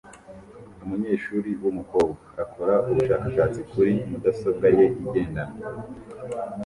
Umunyeshuri wumukobwa akora ubushakashatsi kuri mudasobwa ye igendanwa